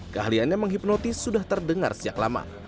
keahlian yang menghipnotis sudah terdengar sejak lama